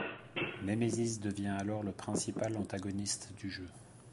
Némésis devient alors le principal antagoniste du jeu.